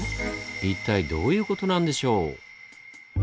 一体どういうことなんでしょう？